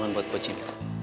katungan buat mbok jin